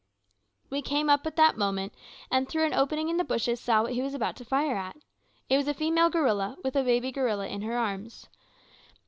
We came up at the moment, and through an opening in the bushes saw what he was about to fire at. It was a female gorilla, with a baby gorilla in her arms.